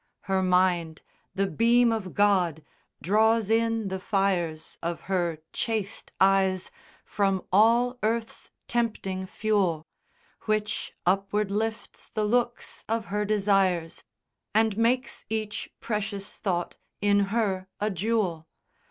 Her mind the beam of God draws in the fires Of her chaste eyes, from all earth's tempting fuel; Which upward lifts the looks of her desires, And makes each precious thought in her a jewel.